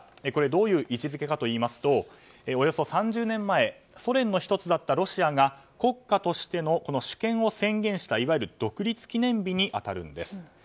どういう位置づけかといいますとおよそ３０年前ソ連の１つだったロシアが国家としての主権を宣言したいわゆる独立記念日に当たるんです。